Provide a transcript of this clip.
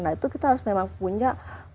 nah itu kita harus memang punya